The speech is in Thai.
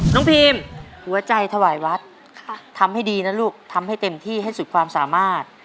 พีมหัวใจถวายวัดทำให้ดีนะลูกทำให้เต็มที่ให้สุดความสามารถ